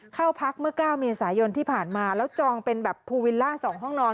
เข้าพักเมื่อ๙เมษายนที่ผ่านมาแล้วจองเป็นแบบภูวิลล่า๒ห้องนอน